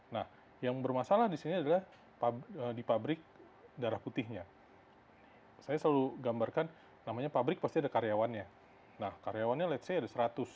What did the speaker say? nah yang bermasalah disini adalah di pabrik darah putihnya saya selalu gambarkan namanya pabrik pasti ada karyawannya nah karyawannya let's say ada seratus